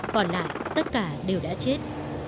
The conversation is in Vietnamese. còn lại tất cả đều đã chết